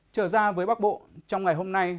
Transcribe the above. trở ra với bắc bộ trong ngày hôm nay